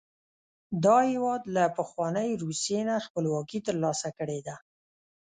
دا هېواد له پخوانۍ روسیې نه خپلواکي تر لاسه کړې ده.